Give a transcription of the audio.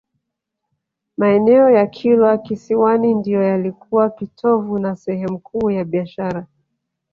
Maeneo ya Kilwa Kisiwani ndio yalikuwa kitovu na sehemu kuu ya biashara